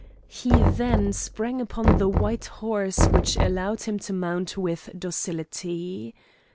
He then sprang upon the white horse which allowed him to mount with docility.